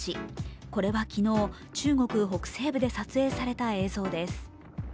これは昨日、中国北西部で撮影された映像です。